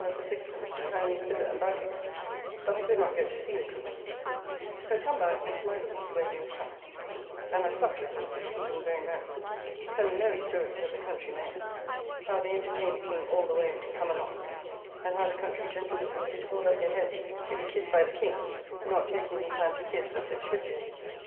"] so I got a sculler for sixpence to carry me thither and back again, but I could not get to see the Queen; so come back, and to my Lord's, where he was come; and I supt with him, he being very merry, telling merry stories of the country mayors, how they entertained the King all the way as he come along; and how the country gentlewomen did hold up their heads to be kissed by the King, not taking his hand to kiss as they should do.